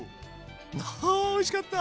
あおいしかった！